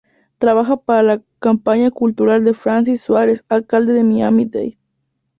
Trabaja para la campaña cultural de ""Francis Suarez"" alcalde de Miami Dade.